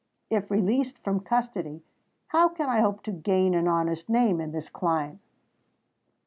If released from custody, how can I hope to gain an honest name in this clime?